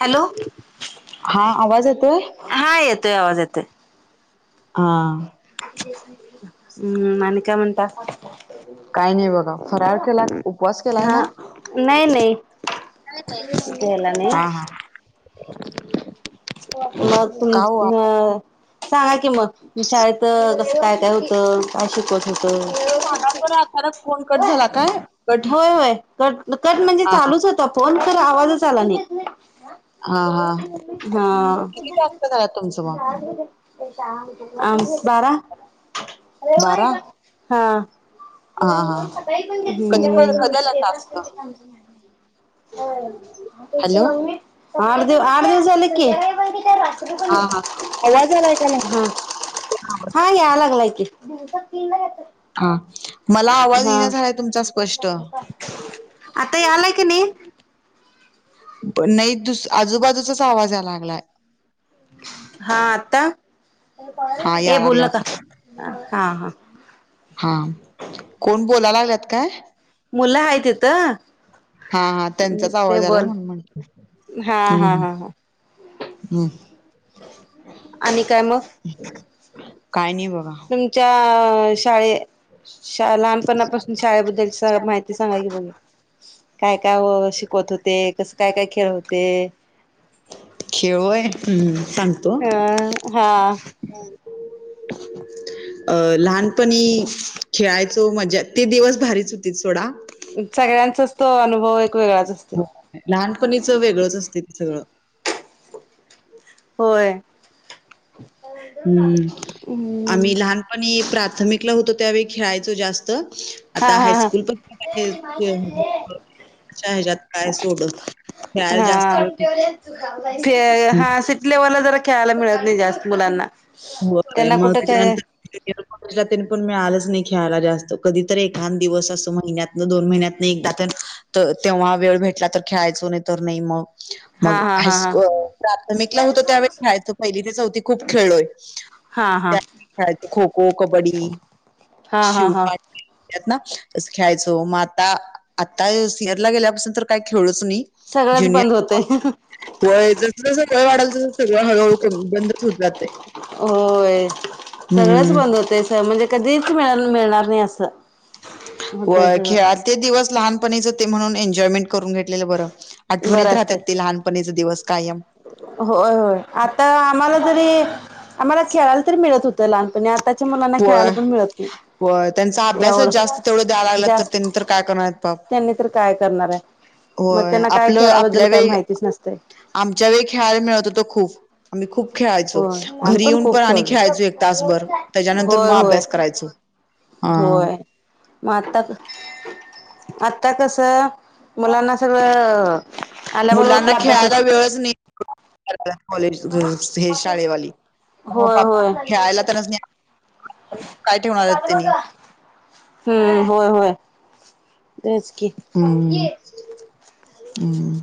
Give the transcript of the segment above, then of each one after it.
Hello हा आवाज येतोय हा येतोय आवाज येतोय. हा हम्म आणि काय म्हणता? काय नाही बघा फराळ केला. उपवास केलाय हा ना? नाही नाही गेला हा नाही हा म तुम का हो अ [inaudible] सांगा की मग शाळेतं कसं काय काय होतं? काय शिकवत होतं? मी खाणार पण हाय खरंच फोन कट झाला काय? कट होय होय कट कट म्हणजे हा हा चालूच होता फोन खरं आवाजच आला नाही. हा हा हा किती टास्क झाल्यात तुमचं मग? आम बारा बारा हा हा हा [unintelligible] आठ कधी पण कधी आला टास्क हॅलो दिव आठ दिवस झाले की, हा हा आवाज आलाय का नाही हा या लागलाय की बहुतेक तीन जण होते हा मला आवाज इना झालाय तुमचा स्पष्ट आता यालाय की नाही नाही दुस आजूबाजूचाच आवाज यायला लागलाय. हा आता हा या ए लागला बोलू नका आता हा हा हा कोण बोलाय लागल्यात काय? मुलं आहेत इथं हा हा त्यांचाच आवाज आलाय म्हणून म्हटलं हा हा हम्म आणि काय मग? काय नाही बघा. तिच्या शाळे शाळ ला पनापासून शाळेबद्दलची माहिती सांगा की बघू काय काय शिकवत होते? कसं काय काय खेळ होते? खेळलोय हम्म सांगतो हं हा [inaudible] अ लहानपणी खेळायचो मजा ते दिवस भारीच होतीत सोडा सगळ्यांचाच तो अनुभव एक वेगळाच अस लहानपणीचं वेगळंच असतय ते सगळं होय हम्म पण प्राथमिकला होतो त्यावेळी खेळायचो जास्त त हा आता हा हा हायस्कूल [unintelligible] श हेज्यात काय सोडत खेळायला जास्त हा. वेळ ते भेटत हा सिटी लेव्हलला जरा खेळायला मिळत नाही जास्त मुलांना हो काय त्यांना म कुठं त्याच्यानंतर [inaudible] तिला तेनं पण मिळालंच नाय खेळायला जास्त, कधी तर एखांद दिवस अस महिन्यातन दोन महिन्यातन एकदा तेनं त तेव्हा वेळ भेटला तर खेळायचो, नायतर नाय मग हा मग हा हा हा हायस्कू प्राथमिकला होतो. त्यावेळी खेळायचो. पहिली ते चौथी खूप खेळलोय. हा हा त्यात खेळाय खो -खो, कबड्डी, हा हा शिव हा. पाट त्यात ना असं खेळायचो म आता, आता सिअरला गेल्यापासून तर काय खेळलोच नई सगळंच बंद ज्युनियर होतय व जस जसं वय वाढाल तस सगळं हळूहळू कमी बंदच होत जातय. होय. सगळंच बंद होतय स म्हणजे कधीच खेळाला मिळणार नाय असं होतय होय. सगळं. खेळात ते दिवस लहानपणीच ते म्हणून एन्जॉयमेंट करून घेतलेलं बरं आठवणीत बरं असतय राहत्यात, ते लहानपणीच दिवस कायम. होय, होय. आता आम्हाला जरी आम्हाला खेळायला तरी मिळत होत त्या लहानपणी आताच्या मुलांना खेळायला पण मिळत नाय. व्हय, त्यांचा अभ्यासच जास्त तेवढं द्याय लागल्यात. ते जास्त त्यांन तर काय करणारेत बाप त्यांनी तर काय करणार ये, मग होय त्यांना काय आपलं आपल्या खेळाबद्दल काय वेळी माहितीच नसतय. आमच्या वेळी खेळाल मिळत होत खूप आम्ही खूप खेळायचो. होय आम्ही घरी येऊन पण खूप आणि खेळलोय खेळायचो एक तासभर, त्याच्यानंतर होय म होय अभ्यास करायचो. हा म आता क आता कस, मुलांना सगळं आल्याबरोबर मुलांना आपला खेळायला अभ्यासच वेळच नी, कॉलेज हे शाळेवाली हो, [inaudible] होय होय. खेळायला त्यांनाच [inaudible] काय ठेवणार येत तेनी हम्म, होय, होय, तेच की, हम्म, हम्म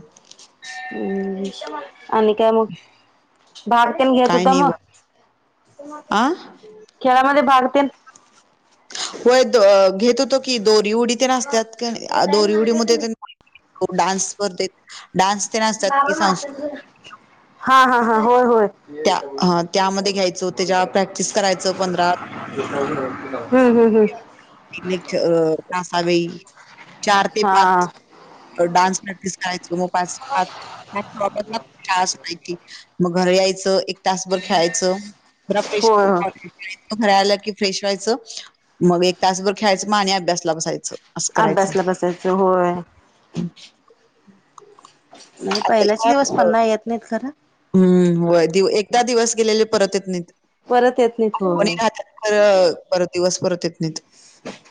हम्म आणि काय म, भागतेन घेत काय होता नाही म बा आ खेळामध्ये भाग तेनं व्हय, दो घेत होतो की, दोरी उडी तेनं असत्यात कणय दोरी उडी मध्ये तेनं हो डान्सेत स्पर्धेत डान्स तेनं असतात. की, संस्कृ हा, हा, हा, होय, होय. त्या हं त्यामध्ये घ्यायचो. त्याच्यावर प्रॅक्टिस करायचो पंधरा हम्म हम्म हम्म लेक्च अ तासावेळी चार ते हा पाच अ डान्स प्रॅक्टिस करायचो. म पाच ते पाच म [unintelligible] शाळा सुटायची, म घरी यायचं एक तास भर खेळायचं. बरा फ्रेश होय होय. [unintelligible] घरी आला की व्हायचं, मग एक तासभर खेळायचं. म आणि अभ्यासला बसायचं. असं करायचं अभ्यासला बसायच होय. मंग पहिल्याचे दिवस पण नाय येत नाहीत खरं, हम्म, व्हय दिव एकदा दिवस गेलेले परत येत नाईत. परत येत नाईत. आठवणी राहत्यात खरं, परत दिवस परत येत नाहीत.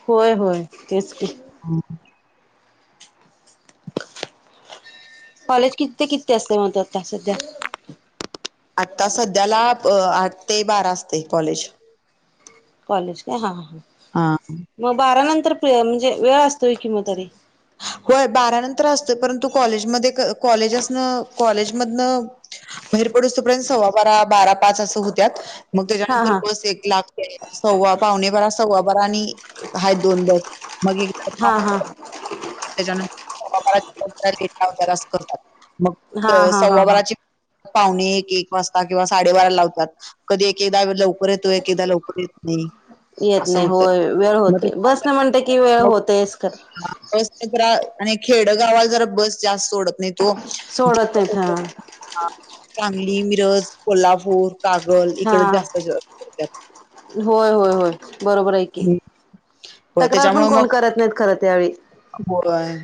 होय, होय. तेच की [unintelligible] कॉलेज किती ते किती असत. म ते आता सध्या आत्ता सध्याला आठ ते बारा असते कॉलेज. कॉलेज का हा हा. हा. मग बारा नंतर म्हणजे वेळ असतोय कि म तरी. होय बारानंतर असतं परंतु कॉलेजमध्ये कॉलेजेसजन कॉलेजमधन बाहेर पडुस तोपर्यंत सव्वा बारा, बारा पाच असं होत्या मग हा त्याच्यानंतर हा बस एक लाख सव्वा, पावणे बरा, सव्वा बरा आणि आहेत दोन बस मग [inaudible] हा हा त्याचानं [inaudible] बारा [unintelligible] मग हा हा हा सव्वा हा. बारची [inaudible] पाहुणे एक, एक वाजता किंवा साडेबारा लावतात. कधी एकेदा लवकर येतो, एकेदा लवकर येत नाही. येत असं नाही होतं होय वेळ मग ते होते, काय बसन करायचं, म्हणते की वेळ मग होतयच ख. हा बस आणि खेडगावाला जरा बस जास्त सोडत नाही ओ. [inaudible] सोडत नाहीत हा सांगली, मिरज, कोल्हापूर कागल इकड हा जास्त. करतात होय होय होय बरोबर आहे. की. हम्. [inaudible] होय तक्रार पण त्याच्यामु कोण मग करत नाहीत खरं त्यावेळी [inaudible] होय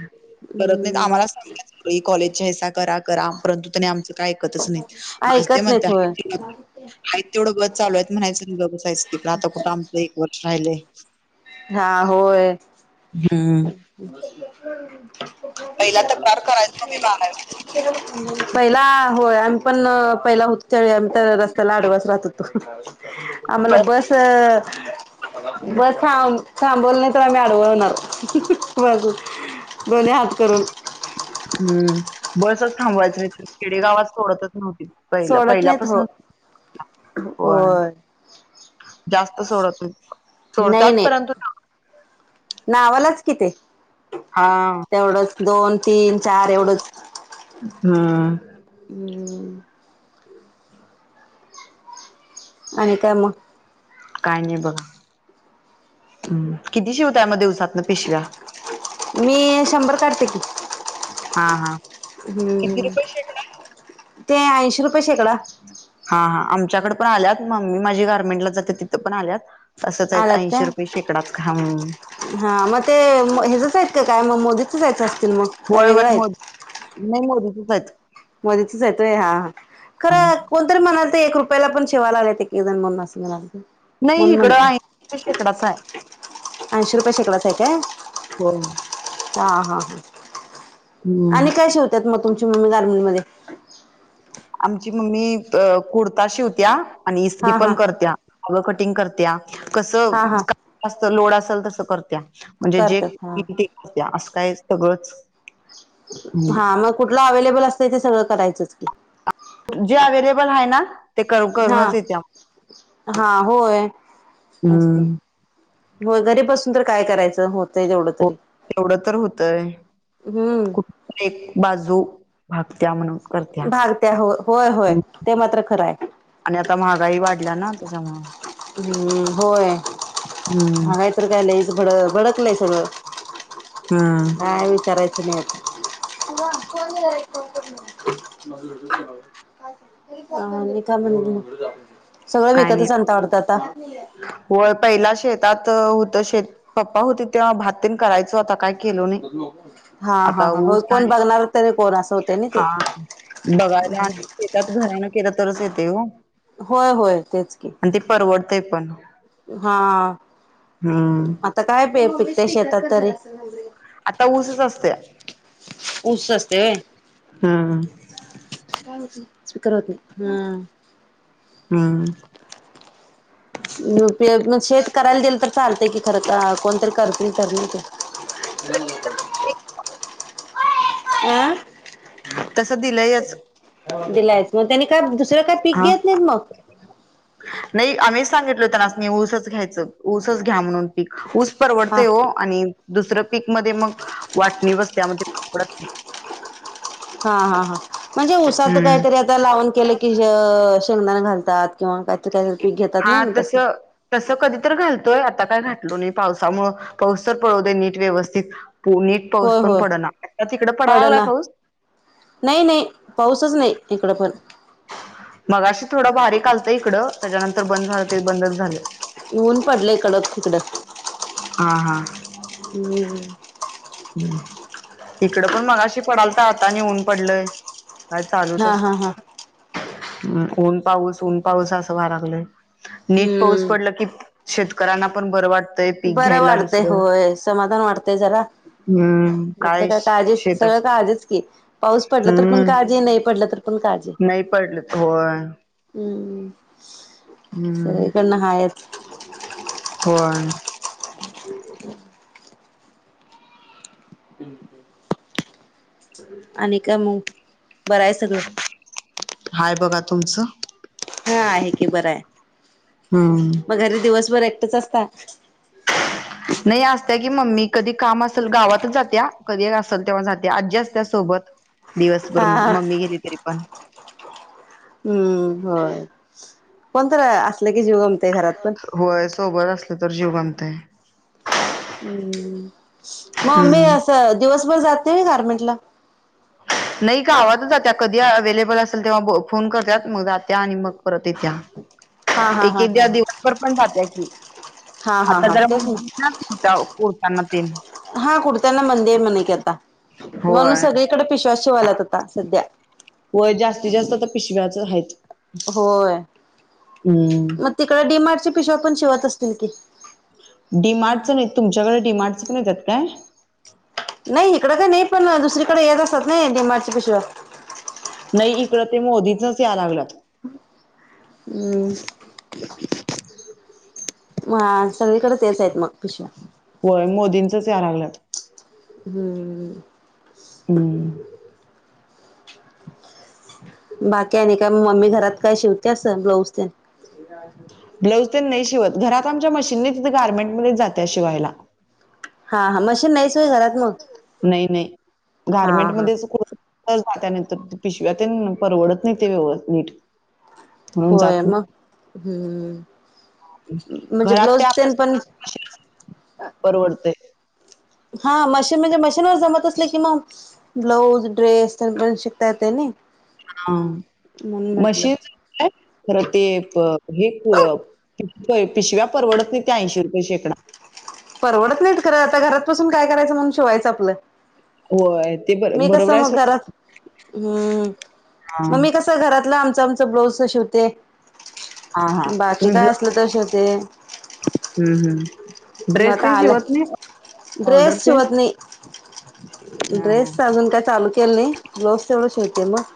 करत नाहीत हम्म आम्हाला सळी कॉलेज हेसा करा-करा परंतु त्या आमचं काय ऐकतच नाही माझ ते ऐकत म्हण नाहीत होय. [inaudible] हाईत तेवढं बस चालू आहेत म्हणायचं आणि ग बसायचं ते पण आता कुठं आमचं एक वर्ष राहिलंय. हा होय. हम्म. [inaudible] [unintelligible] पहिला तक्रार करायचो मी बारावीत [unintelligible] पहिला होय आम्ही पण पहिला होतो, त्याळी आम्ही तर रस्त्याला आडवाच राहत होतो. आम्हाला बस, बस थांबवलं नाही तर आम्ही अडवळणार [unintelligible] दोनी हात करून. हम्म बसच थांबवायचं नाही तर खेडेगावात सोडतच नव्हती. पहिला सोडत नाहीत पहिल्यापासन हो [inaudible] होय. जास्त सोडत नाही सोडतात नाही परंतु [inaudible] नावालाच कि ते. हा. तेवढंच दोन, तीन, चार एवढंच. हम्म. [inaudible] हम्. आणि काय मग? काय नाही बघा, किती शिवतय म दिवसातन पिशव्या? [inaudible] मी शंभर काढते की. हा हा. किती हम्म, रुपये शिवताय? ते ऐंशी रुपये शेकडा. हा आमच्याकडे पण आल्यात मम्मी माझी गार्मेंटला जाते तिथं पण आल्यात. तंसच आहेत आल्यात ऐंशी काय रुपये शेकडात, हा. हा मग ते हेच्याच आहेत का काय मग मोदीचीच यायचं असतील मग काय होय होय वेगळं आहेत? मोद नाही मोदीचिच आहेत. मोदीचीच हायत हा, खरं कोणतरी म्हणाल तर एक रुपयाला पण शेवाय लागल्या एकीक जण म्हणून असं म्हणा. नाही कोण इकडं म्हंटलं? ऐंशी रुपये शेकडाच आहे ऐशी रुपये शेकडच आहे काय? हो. हा हा, हम्म आणि काय शिवतात मग तुमची मम्मी गार्मन मध्ये? आमची मम्मी कुर्ता शिवत्या आणि इस्त्री हा पण हा करत्या. कटिंग करत्या हा हा कसंत लोड असल तस करत्या. म्हणजे जे करतात हा येईल तसं असं काय सगळंच हा मग कुठलं अवेलेबल असतय ते सगळं करायचंच की. जे अवेलेबल आहे ना ते कर हा करूनच येत्या हा होय अस. हम्म हो घरीपसून तर काय करायचं होतंय एवढं तरी. एवढं तर होतय हम्म कुठ एक बाजू भागत्या म्हणून. करत्या भाग त्या हो होय होय ते मात्र खरं आहे. आणि आता महागाई वाढल्या ना त्याच्यामूळ हम्म होय हम्म. महागाई तर काय लईच भड भडकलय सगळ. हम्म. काय विचारयच नाही आता. [unintelligible] अ मी का म्हणते म सगळं काय नाही विकतच आणता वाडत आता. होय पहिला शेतात होत शेत पप्पा होती तेव्हा भाततीन करायचं आता काय केलो नाही हा हा आता ह हो ऊस कोण आहे बघणार तरी कोण असं होत ना ते. हा बघायला आणि शेतात घरानं केलं तरच येते हो. होय होय. तेच की परवडतंय पण हा. हम्म. आता काय प पिकते शेतात तरी. आता ऊसच असतेया ऊस असतंय होय हम्म. स्पीकर होत नहीं हम्म. हम्म. शेत करायला दिलं तर चालतय की खरं कोणतरी करतील तर नाही ते. आ. तसं दिलंयच दिलायस ना त्यानी का आ नाही आम्हीच सांगितलो तेनस्नी ऊसच घ्यायचं ऊसच घ्या म्हणून पीक ऊस हा परवडतेय ओ. आणि दुसरं पीक मध्ये मग वाटणी वस्त्यामध्ये पण परवडत नाही. हा हा हा म्हणजे ऊसाच हम्म काहीतरी आता लावन केलं की हे शेंगदाण घालतात. किंवा काहीतरी काहीतरी पीक घेत हा तस. तसं कधीतर घालतोय आता काय घातलो नाही पावसामुळेळ पाऊस तर पडूदे दे नीट व्यवस्थित. पु नीट पाऊस होय पण होय पडना आता तिकड पडाय लागलाय पडना पाऊस? नाही नाही पाऊसच नाही इकडं पण. मगशी थोडं बारीक आलंतं इकड त्याच्यानंतर बंद झालं ते बंदच झालं. ऊन पडलंय कडत तिकडं हा हम्म. इकड पण मगाशी पडालता आता नि ऊन पडलय. काय चालूच हा हा असतेय हा ऊन पाऊस ऊन पाऊस असं व्हाय लागलंय. नीट पाऊस पडलं हम्म की शेतकऱ्यांना पण बर वाट बरं वाटतंय होय समाधान वाटतय जरा. हम्म म्हटलं काही काय काळजी सगळं शेतात काळजीच की पाऊस पडला तर पण हम्म. काळजी नाही पडलं तर पण काळजी. नाही पडलं होय. हम्म हम सगळीकडनं हायच होय हम् आणि का मग बरं आहे सगळं हाय बघा तुमच हा आहे की बरं आहे हम्म मग घरी दिवसभर एकटच असता नाही असत्या की मम्मी कधी काम असल गावातच जात्या कधी असेल तेव्हा जात्या आजी असत्या सोबत दिवसभर हा मग मम्मी गेली तरी पण हम्म कोण तरी असल की जिव गमतोय होय सोबत असलं तर जिव गमतय हम्म मग मम्मी हम्म असं दिवसभर जात नाही गारमेंट ला नाही गावातच जात्या कधी अवेलेबल असेल तेव्हा बोल फोन करत्यात मग जात्या आणि मग परत येत्या हा हा हा हा एकेकदा दिवसभर पण जात्या की हा हा हा आता हा तेच ना जरा [inaudible] ते हा कुर्त्यांना मंदी हाय म्हन की आता म्हणून होय सगळीकडे पिशव्याच शिवाल्यात आता सध्या व्हय जास्तीत जास्त तर पिशव्याच हाईत होय मग हम्म तिकड डिमार्टच्या पिशव्या पण शिवत असतील की डीमार्टच नाही तुमच्याकडे डीमार्टच मिळत्यात काय? नाही इकडं काही नाही पण दुसरीकड येत असतात नी डी मार्टच्या पिशव्या नाही इकडं ते मोदीचच याय लागल्यात हम्म ह [unintelligible] म सगळीकड तेच हाईत मग पिशव्या व्हय मोदींचच याय लागल्यात हम्म हम्म बाकी आणि काय मग मम्मी घरात काय शिवत्या अस ब्लाऊज तेन [unintelligible] ब्लाऊज तेन नाही शिवत घरात आमच्या मशीन नाही तिथ गार्मेंट मध्येच जात्या शिवायला हा हा मशीन नाहीच होय घरात मग नाही नाही हा गारमेंट हा मध्ये च तर जात्या नाहितर पिशव्या तेन परवडत नाही ते व्यव नीट म्हणून होय जात मग हम्म नाही म्हणजे घरात ते ब्लाऊज आपल तेन पण मशीन असते परवडतय हा मशीन म्हणजे मशीन वर जमत असले की मग ब्लाऊज ड्रेस सगळ शिकता येतय नी हा मशीन खरं ते हे व्हय पिशव्या परवडत नाही त्या ऐंशी रुपये शेकडा परवडत नाहीत खरं आता घरातबसून काय करायचं म्हणून शिवायचं आपलं होय ते बर मी कस बरोबर आहे मग सोड. घरात हम्म मग हां, मी कस घरातलं आमचं आमच ब्लाउजच शिवते हां, हां. बाकी काय असलं तर शिवते हम हम मग आता आलं ऑर्डर ड्रेस तेन? शिवत नाही हां, हां. ड्रेसच अजून काय चालू केल नाही, ब्लाऊज तेवढं शिवते मग.